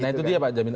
nah itu dia pak jamil